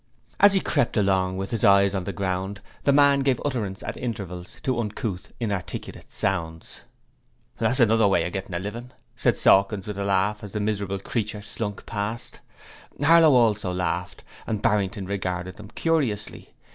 As he crept along with his eyes on the ground, the man gave utterance at intervals to uncouth, inarticulate sounds. 'That's another way of gettin' a livin',' said Sawkins with a laugh as the miserable creature slunk past. Harlow also laughed, and Barrington regarded them curiously.